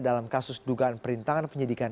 dalam kasus dugaan perintangan penyidikan